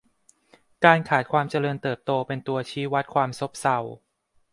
การขาดความเจริญเติบโตเป็นตัวชี้วัดความซบเซา